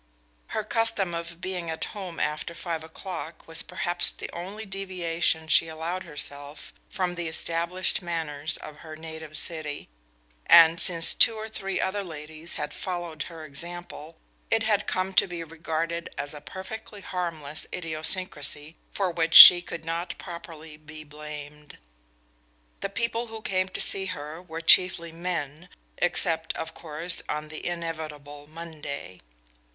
Her custom of being at home after five o'clock was perhaps the only deviation she allowed herself from the established manners of her native city, and since two or three other ladies had followed her example, it had come to be regarded as a perfectly harmless idiosyncrasy for which she could not properly be blamed. The people who came to see her were chiefly men, except, of course, on the inevitable Monday.